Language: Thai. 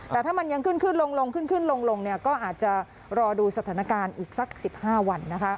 แต่ถ้ามันยังขึ้นลงก็อาจจะรอดูสถานการณ์อีกสัก๑๕วันนะคะ